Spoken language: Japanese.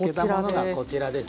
こちらです。